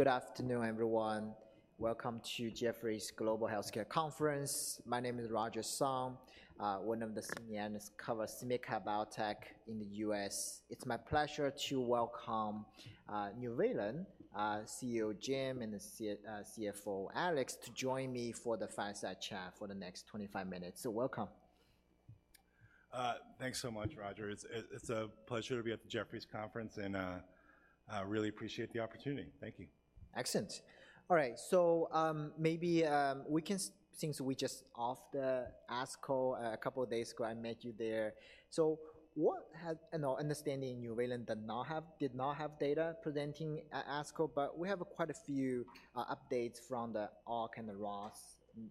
Good afternoon, everyone. Welcome to Jefferies Global Healthcare Conference. My name is Roger Song, one of the senior analysts covering SMID-cap biotech in the US. It's my pleasure to welcome, Nuvalent, CEO Jim and the CFO Alex, to join me for the fireside chat for the next 25 minutes. So welcome. Thanks so much, Roger. It's a pleasure to be at the Jefferies conference, and I really appreciate the opportunity. Thank you. Excellent. All right, so maybe we can, since we just off the ASCO a couple of days ago, I met you there. So, you know, understanding Nuvalent did not have data presenting at ASCO, but we have quite a few updates from the ALK and the ROS1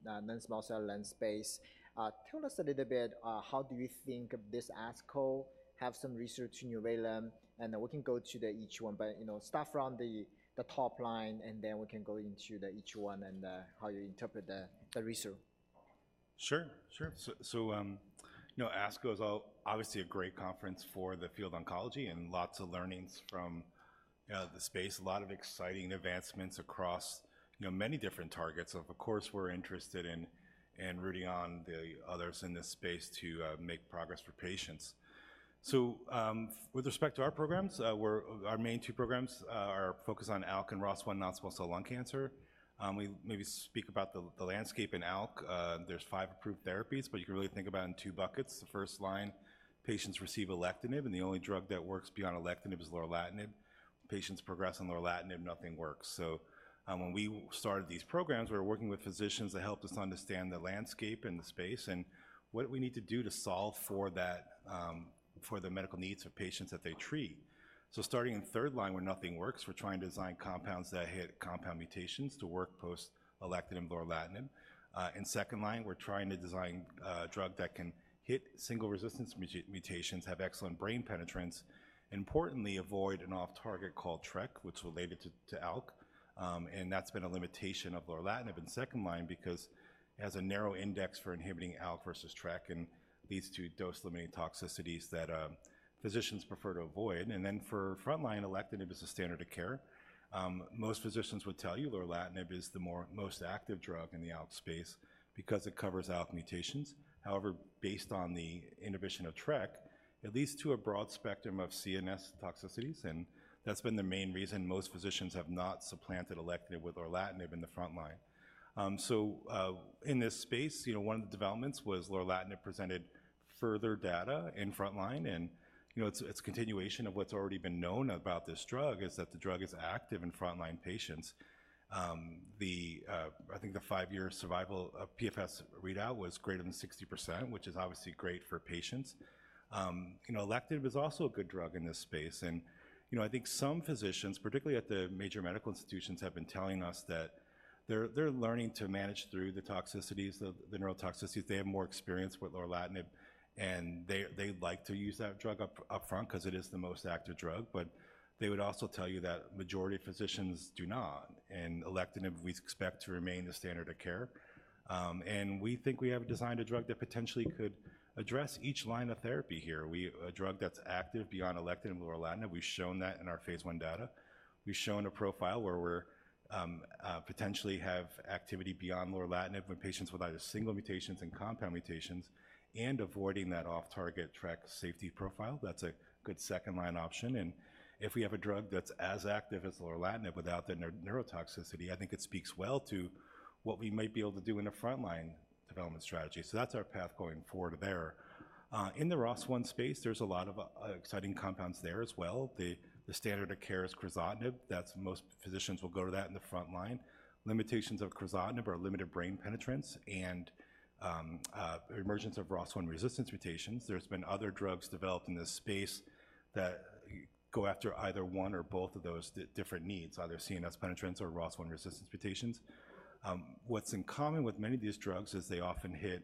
non-small cell lung space. Tell us a little bit, how do you think of this ASCO, have some research in Nuvalent, and then we can go to the each one. But, you know, start from the top line, and then we can go into the each one and how you interpret the research. Sure, sure. So, you know, ASCO is obviously a great conference for the field oncology and lots of learnings from the space. A lot of exciting advancements across, you know, many different targets. Of course, we're interested in and rooting on the others in this space to make progress for patients. So, with respect to our programs, we're our main two programs are fALKused on ALK and ROS1 non-small cell lung cancer. We maybe speak about the landscape in ALK. There's five approved therapies, but you can really think about in two buckets. The first line, patients receive alectinib, and the only drug that works beyond alectinib is lorlatinib. Patients progress on lorlatinib, nothing works. So, when we started these programs, we were working with physicians that helped us understand the landscape and the space, and what we need to do to solve for that, for the medical needs of patients that they treat. So starting in third line, where nothing works, we're trying to design compounds that hit compound mutations to work post alectinib, lorlatinib. In second line, we're trying to design a drug that can hit single resistance mutations, have excellent brain penetrance, importantly, avoid an off-target called TRK, which is related to, to ALK. And that's been a limitation of lorlatinib in second line because it has a narrow index for inhibiting ALK versus TRK and leads to dose-limiting toxicities that, physicians prefer to avoid. And then for frontline, alectinib is the standard of care. Most physicians would tell you lorlatinib is the most active drug in the ALK space because it covers ALK mutations. However, based on the inhibition of TRK, it leads to a broad spectrum of CNS toxicities, and that's been the main reason most physicians have not supplanted alectinib with lorlatinib in the frontline. So, in this space, you know, one of the developments was lorlatinib presented further data in frontline and, you know, it's continuation of what's already been known about this drug, is that the drug is active in frontline patients. I think the 5-year survival of PFS readout was greater than 60%, which is obviously great for patients. You know, alectinib is also a good drug in this space, and, you know, I think some physicians, particularly at the major medical institutions, have been telling us that they're learning to manage through the toxicities of the neurotoxicities. They have more experience with lorlatinib, and they like to use that drug up front 'cause it is the most active drug. But they would also tell you that majority of physicians do not, and alectinib we expect to remain the standard of care. And we think we have designed a drug that potentially could address each line of therapy here. A drug that's active beyond alectinib, lorlatinib, we've shown that in our phase one data. We've shown a profile where we're potentially have activity beyond lorlatinib with patients with either single mutations and compound mutations and avoiding that off-target TRK safety profile. That's a good second-line option, and if we have a drug that's as active as lorlatinib without the neurotoxicity, I think it speaks well to what we might be able to do in a frontline development strategy. So that's our path going forward there. In the ROS1 space, there's a lot of exciting compounds there as well. The standard of care is crizotinib. That's most physicians will go to that in the frontline. Limitations of crizotinib are limited brain penetrance and emergence of ROS1 resistance mutations. There's been other drugs developed in this space that go after either one or both of those different needs, either CNS penetrance or ROS1 resistance mutations. What's in common with many of these drugs is they often hit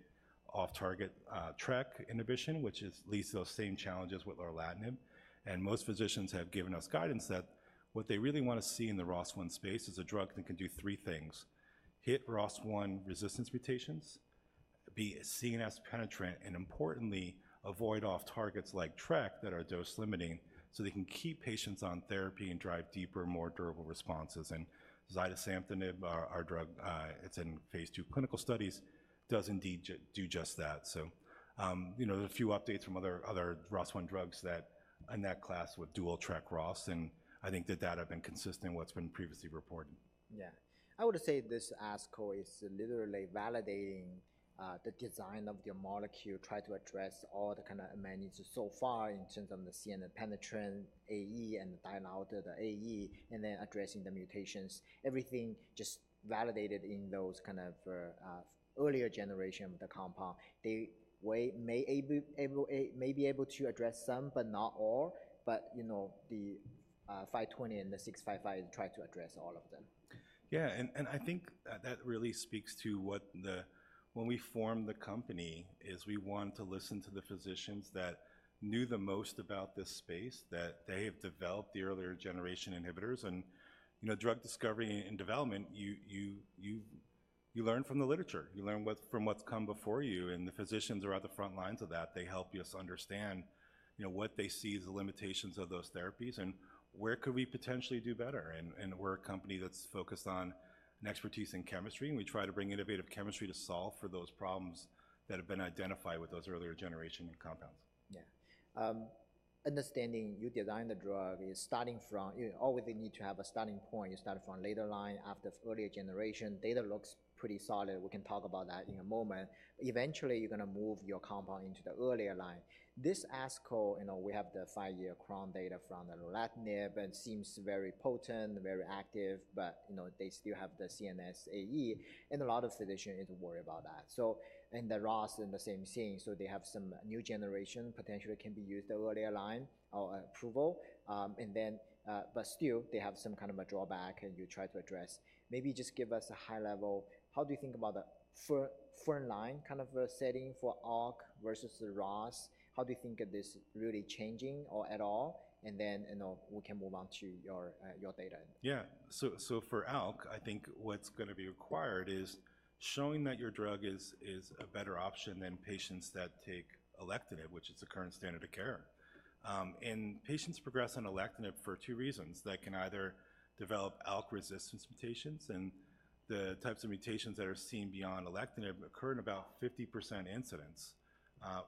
off-target TRK inhibition, which leads to those same challenges with lorlatinib. And most physicians have given us guidance that what they really want to see in the ROS1 space is a drug that can do three things: hit ROS1 resistance mutations, be a CNS penetrant, and importantly, avoid off-targets like TRK that are dose-limiting, so they can keep patients on therapy and drive deeper, more durable responses. And zidesamtinib, our drug, it's in phase 2 clinical studies, does indeed do just that. So, you know, there are a few updates from other ROS1 drugs that are in that class with dual TRK ROS, and I think the data have been consistent in what's been previously reported. Yeah. I would say this ASCO is literally validating the design of your molecule, try to address all the kind of limitations so far in terms of the CNS penetrant, AE, and dial out the AE, and then addressing the mutations. Everything just validated in those kind of earlier generation of the compound. They may be able to address some, but not all. But, you know, the 520 and the 655 try to address all of them. Yeah, and I think that really speaks to what—when we formed the company, is we want to listen to the physicians that knew the most about this space, that they have developed the earlier generation inhibitors. And, you know, drug discovery and development, you learn from the literature. You learn from what's come before you, and the physicians are at the front lines of that. They help us understand, you know, what they see as the limitations of those therapies and where could we potentially do better. And we're a company that's fALKused on an expertise in chemistry, and we try to bring innovative chemistry to solve for those problems that have been identified with those earlier generation compounds. Yeah. Understanding you design the drug is starting from, you always need to have a starting point. You start from later line after earlier generation. Data looks pretty solid. We can talk about that in a moment. Eventually, you're gonna move your compound into the earlier line. This ASCO, you know, we have the five-year CROWN data from the lorlatinib, and seems very potent, very active, but, you know, they still have the CNS AE, and a lot of physician is worried about that. So, and the ROS1 in the same vein, so they have some new generation potentially can be used earlier line or approval, and then, but still, they have some kind of a drawback, and you try to address. Maybe just give us a high level, how do you think about the front line kind of a setting for ALK versus the ROS1? How do you think of this really changing or at all? And then, you know, we can move on to your data. Yeah. So, so for ALK, I think what's gonna be required is showing that your drug is, is a better option than patients that take alectinib, which is the current standard of care. Patients progress on alectinib for two reasons. They can either develop ALK resistance mutations, and the types of mutations that are seen beyond alectinib ALKcur in about 50% incidence,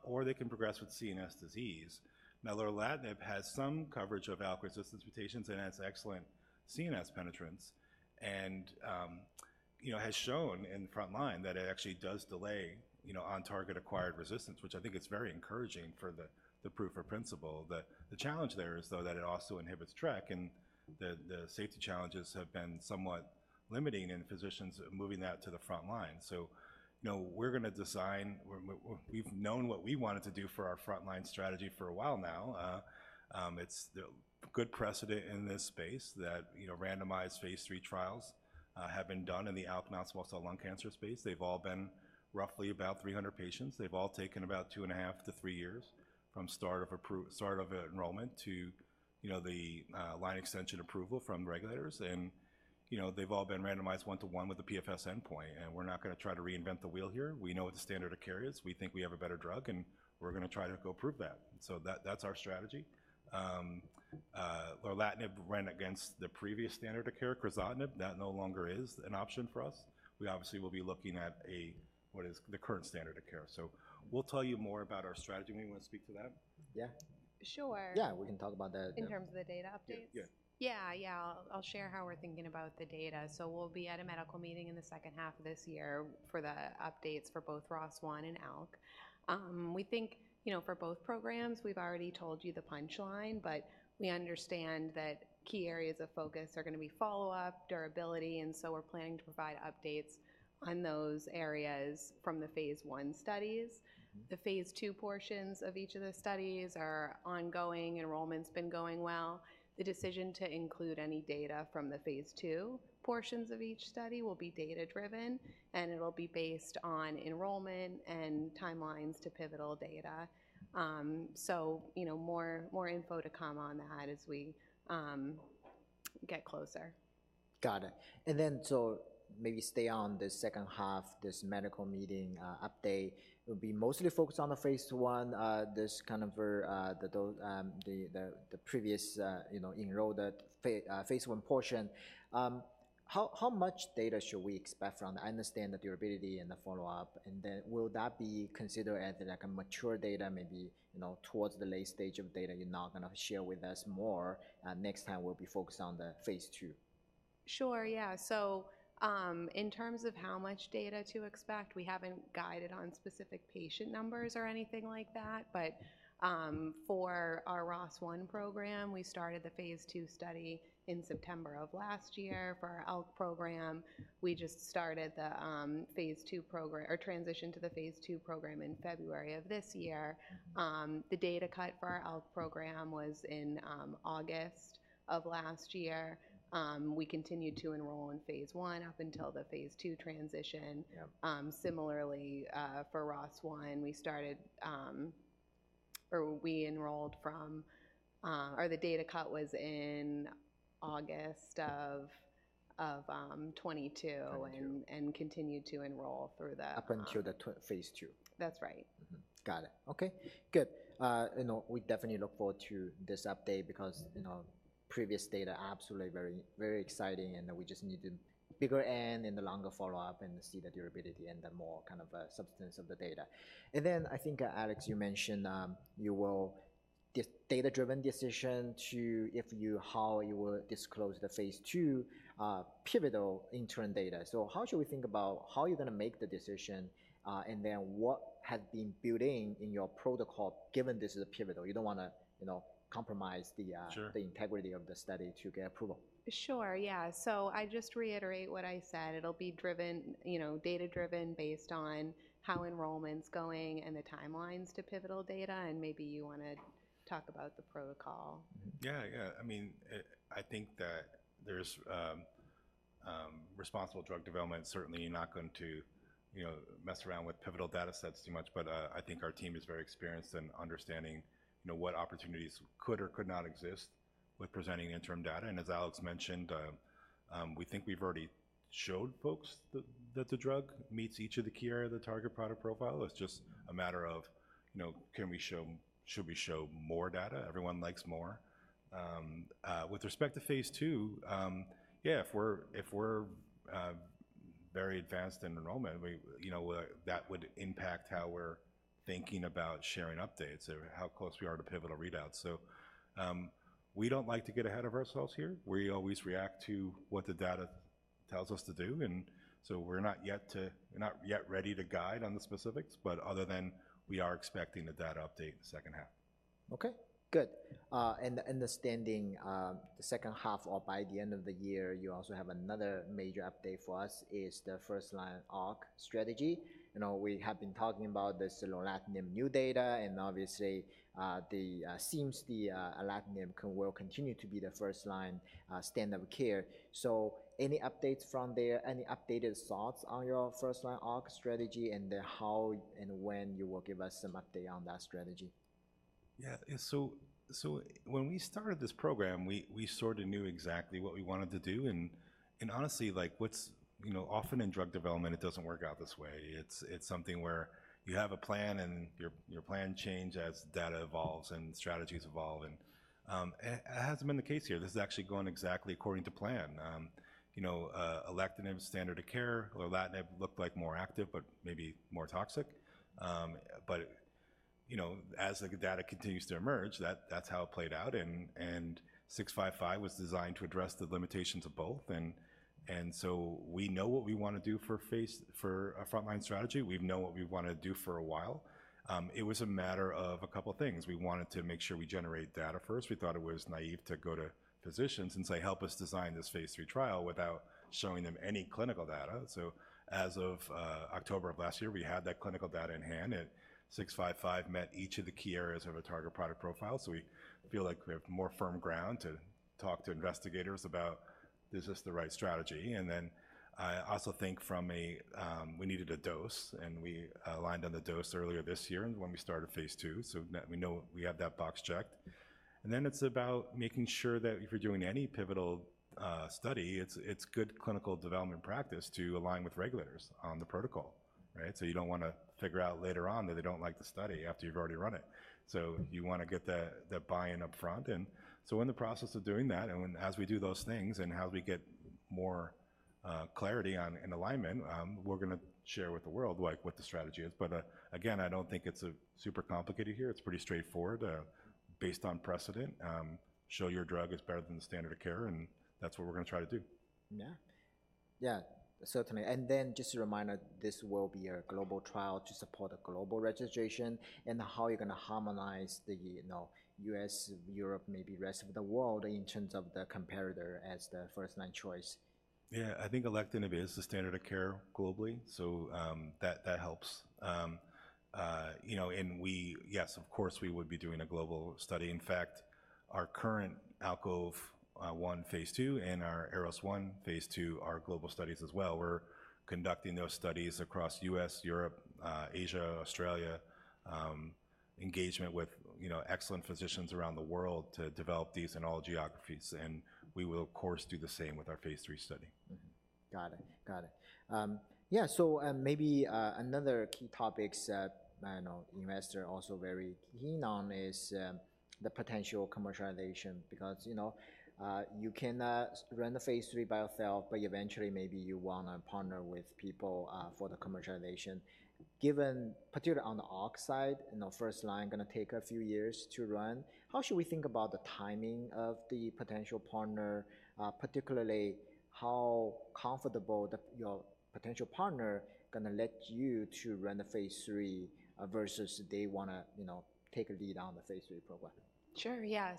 or they can progress with CNS disease. Now, lorlatinib has some coverage of ALK resistance mutations and has excellent CNS penetrance, and, you know, has shown in the front line that it actually does delay, you know, on-target acquired resistance, which I think is very encouraging for the, the proof of principle. The, the challenge there is, though, that it also inhibits TRK, and the, the safety challenges have been somewhat limiting in physicians moving that to the front line. So, you know, we've known what we wanted to do for our front line strategy for a while now. It's the good precedent in this space that, you know, randomized phase III trials have been done in the ALK-positive non-small cell lung cancer space. They've all been roughly about 300 patients. They've all taken about 2.5-3 years from start of enrollment to, you know, the line extension approval from regulators. And, you know, they've all been randomized 1:1 with the PFS endpoint, and we're not gonna try to reinvent the wheel here. We know what the standard of care is. We think we have a better drug, and we're gonna try to go prove that. So that's our strategy. Lorlatinib ran against the previous standard of care, crizotinib. That no longer is an option for us. We obviously will be looking at what is the current standard of care. So we'll tell you more about our strategy. You wanna speak to that? Yeah. Sure. Yeah, we can talk about that. In terms of the data updates? Yeah. Yeah. Yeah, yeah. I'll share how we're thinking about the data. So we'll be at a medical meeting in the second half of this year for the updates for both ROS1 and ALK. We think, you know, for both programs, we've already told you the punchline, but we understand that key areas of fALKus are gonna be follow-up, durability, and so we're planning to provide updates on those areas from the phase I studies. The phase II portions of each of the studies are ongoing. Enrollment's been going well. The decision to include any data from the phase II portions of each study will be data-driven, and it'll be based on enrollment and timelines to pivotal data. So, you know, more info to come on that as we get closer. Got it. And then, so maybe stay on the second half, this medical meeting update. It will be mostly fALKused on the phase I, this kind of, the previous, you know, enrolled at phase I portion. How much data should we expect from that? I understand the durability and the follow-up, and then will that be considered as, like, a mature data, maybe, you know, towards the late stage of data, you're now gonna share with us more, and next time we'll be fALKused on the phase II? Sure, yeah. So, in terms of how much data to expect, we haven't guided on specific patient numbers or anything like that, but, for our ROS1 program, we started the phase II study in September of last year. For our ALK program, we just started the, phase II program, or transitioned to the phase II program in February of this year. The data cut for our ALK program was in, August of last year. We continued to enroll in phase I up until the phase II transition. Yeah. Similarly, for ROS1, we started, or we enrolled from, or the data cut was in August of 2022- Twenty two. and continued to enroll through the- Up until the phase II. That's right. Mm-hmm. Got it. Okay, good. You know, we definitely look forward to this update because- Mm-hmm. You know, previous data absolutely very, very exciting, and we just need the bigger N and the longer follow-up and to see the durability and the more kind of substance of the data. And then I think, Alex, you mentioned you will data-driven decision to how you will disclose the phase II pivotal interim data. So how should we think about how you're gonna make the decision, and then what has been built in your protALKol, given this is a pivotal? You don't wanna, you know, compromise the Sure... the integrity of the study to get approval. Sure, yeah. So I just reiterate what I said. It'll be driven, you know, data-driven based on how enrollment's going and the timelines to pivotal data, and maybe you wanna talk about the protALKol. Yeah, yeah. I mean, I think that there's responsible drug development. Certainly, you're not going to, you know, mess around with pivotal data sets too much, but I think our team is very experienced in understanding, you know, what opportunities could or could not exist with presenting interim data. And as Alex mentioned, we think we've already showed folks that the drug meets each of the key area of the target product profile. It's just a matter of, you know, can we show—should we show more data? Everyone likes more. With respect to phase II, yeah, if we're very advanced in enrollment, we, you know, that would impact how we're thinking about sharing updates or how close we are to pivotal readouts. So, we don't like to get ahead of ourselves here. We always react to what the data tells us to do, and so we're not yet ready to guide on the specifics, but other than we are expecting a data update in the second half. Okay, good. Yeah. And understanding the second half or by the end of the year, you also have another major update for us is the first-line ALK strategy. You know, we have been talking about this lorlatinib new data, and obviously, it seems the alectinib will continue to be the first-line standard of care. So any updates from there, any updated thoughts on your first-line ALK strategy, and then how and when you will give us some update on that strategy? Yeah. So when we started this program, we sort of knew exactly what we wanted to do, and honestly, like, what's... You know, often in drug development, it doesn't work out this way. It's something where you have a plan, and your plan change as data evolves and strategies evolve. And it hasn't been the case here. This is actually going exactly according to plan. You know, alectinib standard of care, lorlatinib looked like more active, but maybe more toxic. But you know, as the data continues to emerge, that's how it played out, and 655 was designed to address the limitations of both. And so we know what we want to do for phase—for a frontline strategy. We've known what we want to do for a while. It was a matter of a couple things. We wanted to make sure we generate data first. We thought it was naive to go to physicians and say: Help us design this phase 3 trial, without showing them any clinical data. So as of ALKtober of last year, we had that clinical data in hand, and 655 met each of the key areas of a target product profile. So we feel like we have more firm ground to talk to investigators about, is this the right strategy? And then I also think from a. We needed a dose, and we aligned on the dose earlier this year, and when we started phase 2, so we know we have that box checked. And then it's about making sure that if you're doing any pivotal study, it's good clinical development practice to align with regulators on the protALKol, right? So you don't want to figure out later on that they don't like the study after you've already run it. So you want to get the buy-in upfront, and so we're in the prALKess of doing that, and when—as we do those things and as we get more clarity on and alignment, we're going to share with the world, like, what the strategy is. But, again, I don't think it's super complicated here. It's pretty straightforward, based on precedent. Show your drug is better than the standard of care, and that's what we're going to try to do. Yeah. Yeah, certainly. And then just a reminder, this will be a global trial to support a global registration, and how you're going to harmonize the, you know, US, Europe, maybe rest of the world in terms of the comparator as the first-line choice? Yeah. I think alectinib is the standard of care globally, so, that, that helps. You know, and we, yes, of course, we would be doing a global study. In fact, our current ALKOVE-1, phase II, and our ARROS-1, phase II, are global studies as well. We're conducting those studies across US, Europe, Asia, Australia, engagement with, you know, excellent physicians around the world to develop these in all geographies, and we will, of course, do the same with our phase III study. Mm-hmm. Got it. Got it. Yeah, so, maybe, another key topics that I know investors are also very keen on is, the potential commercialization. Because, you know, you cannot run the phase III by yourself, but eventually maybe you want to partner with people, for the commercialization. Given, particularly on the ALK side, you know, first line going to take a few years to run. How should we think about the timing of the potential partner? Particularly, how comfortable that your potential partner going to let you to run the phase III, versus they want to, you know, take a lead on the phase III program? Sure, yeah.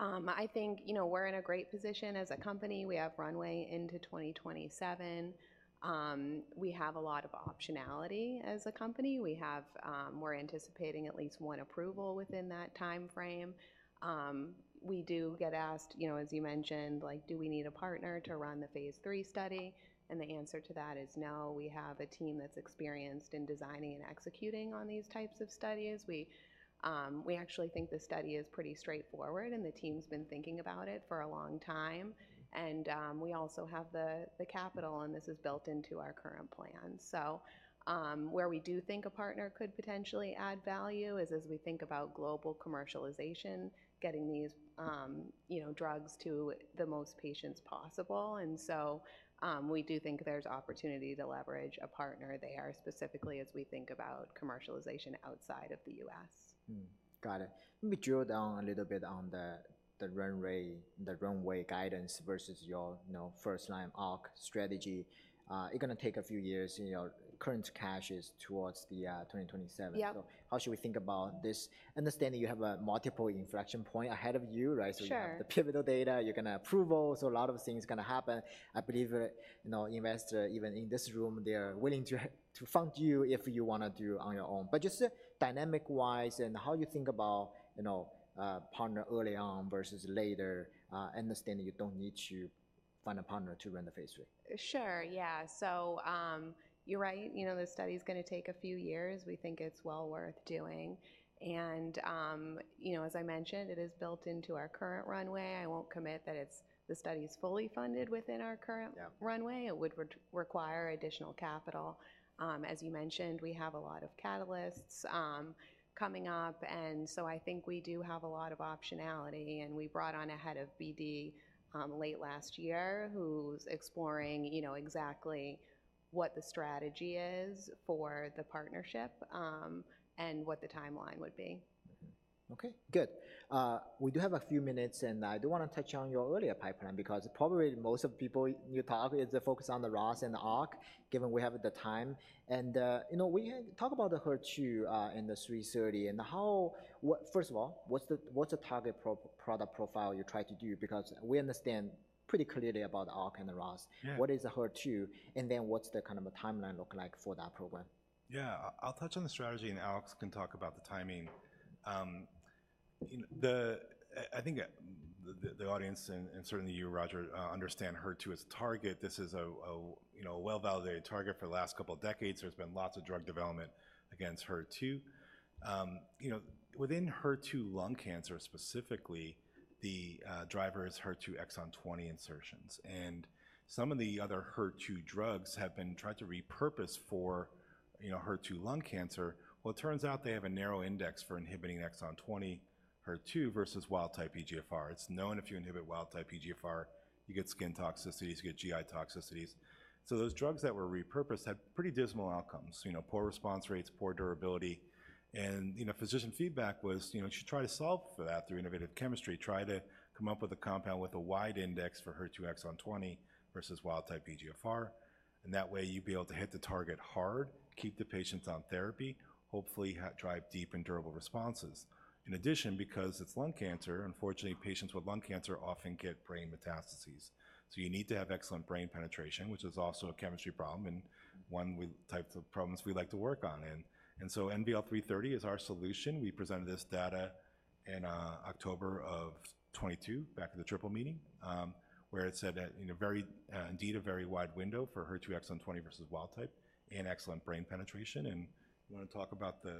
So, I think, you know, we're in a great position as a company. We have runway into 2027. We have a lot of optionality as a company. We're anticipating at least one approval within that timeframe. We do get asked, you know, as you mentioned, like, do we need a partner to run the phase III study? And the answer to that is no. We have a team that's experienced in designing and executing on these types of studies. We actually think the study is pretty straightforward, and the team's been thinking about it for a long time. And we also have the capital, and this is built into our current plan. Where we do think a partner could potentially add value is as we think about global commercialization, getting these, you know, drugs to the most patients possible. We do think there's opportunity to leverage a partner there, specifically as we think about commercialization outside of the US. Mm. Got it. Let me drill down a little bit on the, the runway, the runway guidance versus your, you know, first-line ALK strategy. It's going to take a few years, and your current cash is towards the 2027. Yeah. How should we think about this? Understanding you have a multiple inflection point ahead of you, right? Sure. So you have the pivotal data, you're going to approval, so a lot of things going to happen. I believe, you know, investor, even in this room, they're willing to fund you if you want to do on your own. But just dynamic-wise and how you think about, you know, partner early on versus later, understanding you don't need to find a partner to run the phase three? Sure, yeah. So, you're right. You know, the study's gonna take a few years. We think it's well worth doing, and, you know, as I mentioned, it is built into our current runway. I won't commit that it's-- the study is fully funded within our current- Yeah runway. It would require additional capital. As you mentioned, we have a lot of catalysts coming up, and so I think we do have a lot of optionality, and we brought on a head of BD late last year, who's exploring, you know, exactly what the strategy is for the partnership, and what the timeline would be. Okay, good. We do have a few minutes, and I do want to touch on your earlier pipeline because probably most of the people you talk to is the fALKus on the ROS and the ALK, given we have the time. And, you know, we talk about the HER2 and the NVL-330 and how—what—first of all, what's the, what's the target product profile you try to do? Because we understand pretty clearly about ALK and the ROS. Yeah. What is the HER2, and then what's the kind of a timeline look like for that program? Yeah, I'll touch on the strategy, and Alex can talk about the timing. You know, I think the audience and certainly you, Roger, understand HER2 as a target. This is a you know, a well-validated target for the last couple of decades. There's been lots of drug development against HER2. You know, within HER2 lung cancer, specifically, the driver is HER2 exon 20 insertions, and some of the other HER2 drugs have been tried to repurpose for, you know, HER2 lung cancer. Well, it turns out they have a narrow index for inhibiting exon 20 HER2 versus wild type EGFR. It's known if you inhibit wild type EGFR, you get skin toxicities, you get GI toxicities. So those drugs that were repurposed had pretty dismal outcomes, you know, poor response rates, poor durability, and, you know, physician feedback was, you know, you should try to solve for that through innovative chemistry. Try to come up with a compound with a wide index for HER2 exon 20 versus wild-type EGFR, and that way, you'd be able to hit the target hard, keep the patients on therapy, hopefully, had to drive deep and durable responses. In addition, because it's lung cancer, unfortunately, patients with lung cancer often get brain metastases. So you need to have excellent brain penetration, which is also a chemistry problem and one with types of problems we like to work on. And so NVL-330 is our solution. We presented this data in ALKtober of 2022 back at the Triple Meeting, where it said that, you know, very indeed a very wide window for HER2 exon 20 versus wild type and excellent brain penetration. And you wanna talk about the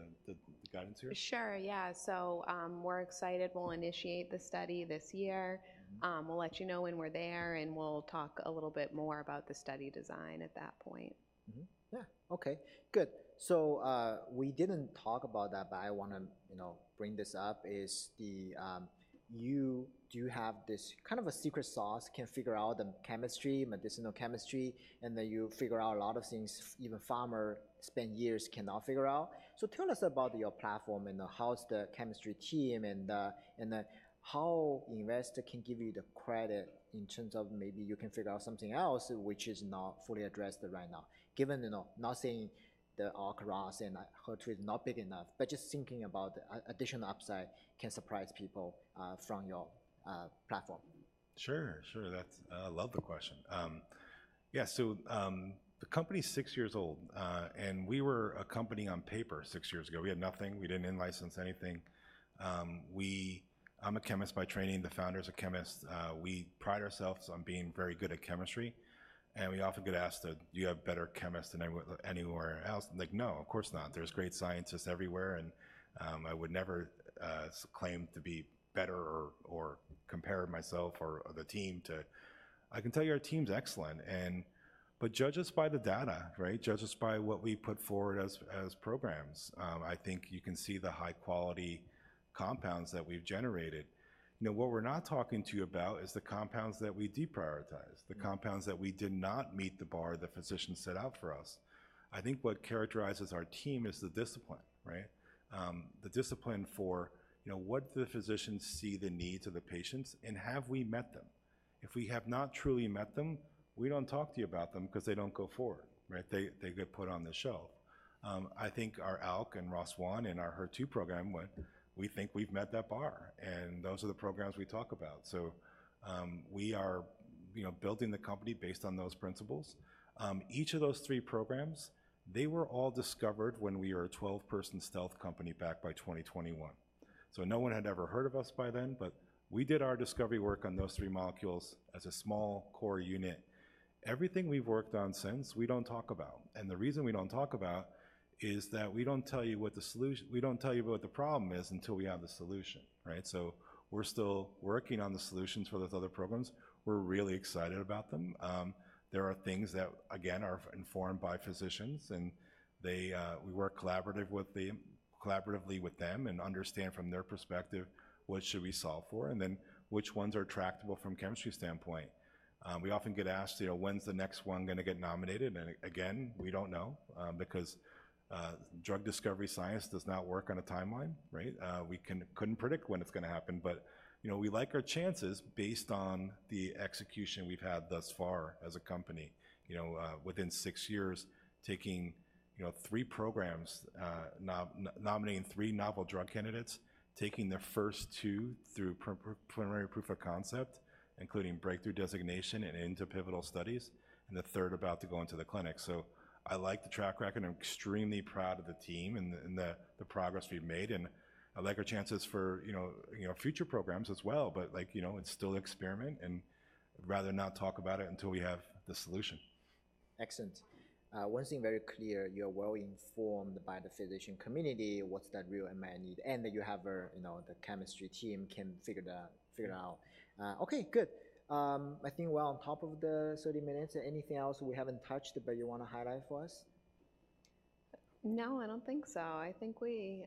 guidance here? Sure, yeah. So, we're excited. We'll initiate the study this year. Mm-hmm. We'll let you know when we're there, and we'll talk a little bit more about the study design at that point. Mm-hmm. Yeah. Okay, good. So, we didn't talk about that, but I wanna, you know, bring this up, is the you do have this kind of a secret sauce, can figure out the chemistry, medicinal chemistry, and then you figure out a lot of things even pharma spend years cannot figure out. So tell us about your platform and how's the chemistry team and, and, how investor can give you the credit in terms of maybe you can figure out something else which is not fully addressed right now, given, you know, not saying the ALK, ROS, and HER2 is not big enough, but just thinking about additional upside can surprise people, from your platform. Sure, sure. That's, I love the question. Yeah, so, the company's six years old, and we were a company on paper six years ago. We had nothing. We didn't in-license anything. I'm a chemist by training. The founder is a chemist. We pride ourselves on being very good at chemistry, and we often get asked, "Do you have better chemists than anywhere else?" Like, no, of course not. There's great scientists everywhere, and, I would never, claim to be better or, or compare myself or, or the team to... I can tell you our team's excellent, but judge us by the data, right? Judge us by what we put forward as, as programs. I think you can see the high-quality compounds that we've generated. You know, what we're not talking to you about is the compounds that we deprioritized- Mm... the compounds that we did not meet the bar the physicians set out for us. I think what characterizes our team is the discipline, right? The discipline for, you know, what the physicians see the needs of the patients, and have we met them? If we have not truly met them, we don't talk to you about them 'cause they don't go forward, right? They, they get put on the shelf. I think our ALK and ROS1 and our HER2 program went-- we think we've met that bar, and those are the programs we talk about. We are, you know, building the company based on those principles. Each of those three programs, they were all discovered when we were a 12-person stealth company back by 2021. So no one had ever heard of us by then, but we did our discovery work on those three molecules as a small core unit. Everything we've worked on since, we don't talk about, and the reason we don't talk about is that we don't tell you what the solut-- we don't tell you what the problem is until we have the solution, right? So we're still working on the solutions for those other programs. We're really excited about them. There are things that, again, are informed by physicians, and they, we work collaborative with them-- collaboratively with them and understand from their perspective, what should we solve for? And then which ones are tractable from chemistry standpoint. We often get asked, you know, "When's the next one gonna get nominated?" And again, we don't know, because drug discovery science does not work on a timeline, right? We couldn't predict when it's gonna happen, but, you know, we like our chances based on the execution we've had thus far as a company. You know, within 6 years, taking, you know, 3 programs, nominating 3 novel drug candidates, taking their first two through preliminary proof of concept, including breakthrough designation and into pivotal studies, and the third about to go into the clinic. So I like the track record. I'm extremely proud of the team and the progress we've made, and I like our chances for, you know, you know, future programs as well. Like, you know, it's still experiment, and I'd rather not talk about it until we have the solution. Excellent. One thing very clear, you're well informed by the physician community, what's that real unmet need, and that you have a, you know, the chemistry team can figure the- Mm... figure out. Okay, good. I think we're on top of the 30 minutes. Anything else we haven't touched, but you wanna highlight for us? No, I don't think so. I think we,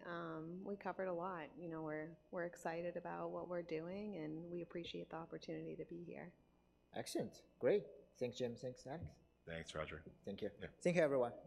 we covered a lot. You know, we're, we're excited about what we're doing, and we appreciate the opportunity to be here. Excellent. Great. Thanks, Jim. Thanks, Alex. Thanks, Roger. Thank you. Yeah. Thank you, everyone.